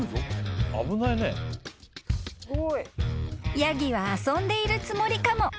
［ヤギは遊んでいるつもりかも］